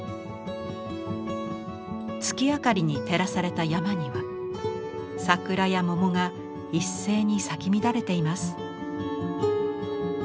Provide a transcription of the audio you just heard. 月明かりに照らされた山には桜や桃が一斉に咲き乱れています。